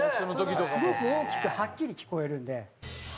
すごく大きくはっきり聞こえるので。